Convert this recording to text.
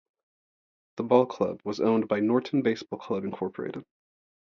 The ballclub was owned by Norton Baseball Club Inc.